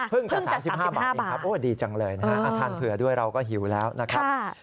พึ่งจาก๓๕บาทดีจังเลยนะครับทานเผื่อด้วยเราก็หิวแล้วนะครับค่ะ